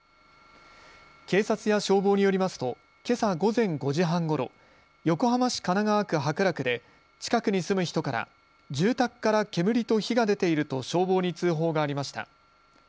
警察や消防によりますとけさ午前５時半ごろ、横浜市神奈川区白楽で近くに住む人から住宅から煙と火が出ていると消防に通報がありました。